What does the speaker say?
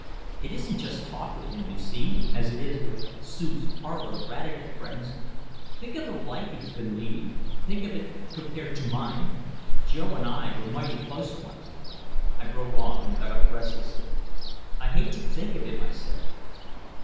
It isn't just talk with him, you see, as it is with Sue's parlor radical friends. Think of the life he's been leading, think of it compared to mine. Joe and I were mighty close once" I broke off and got up restlessly. "I hate to think of him," I said.